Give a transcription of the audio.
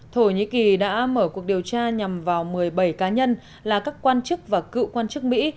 thổ nhĩ kỳ đã mở cuộc điều tra nhằm vào một mươi bảy cá nhân là các quan chức và cựu quan chức mỹ